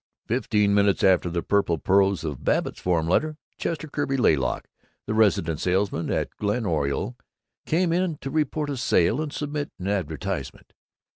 Fifteen minutes after the purple prose of Babbitt's form letter, Chester Kirby Laylock, the resident salesman at Glen Oriole, came in to report a sale and submit an advertisement.